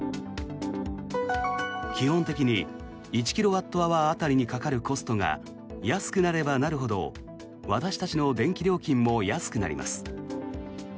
基本的に１キロワットアワー当たりにかかるコストが安くなればなるほど私たちの電気料金も安くなります。